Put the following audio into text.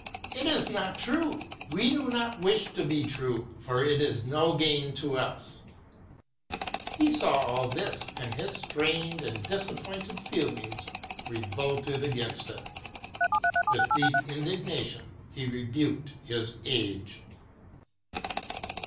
it is not true — we do not wish it to be true, for it is no gain to us/ He saw all this, and his strained and disappointed feelings revolted against it. With deep indignation he rebuked his age.